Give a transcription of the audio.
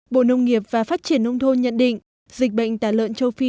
bộ nông nghiệp và phát triển nông thôn nhận định dịch bệnh tả lợn châu phi